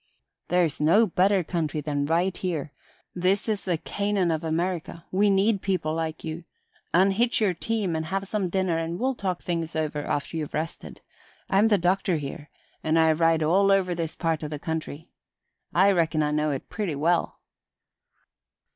"There's no better country than right here. This is the Canaan of America. We need people like you. Unhitch your team and have some dinner and we'll talk things over after you're rested. I'm the doctor here and I ride all over this part o' the country. I reckon I know it pretty well."